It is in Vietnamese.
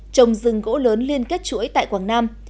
trồng rừng gỗ lớn liên kết chuỗi tại quảng nam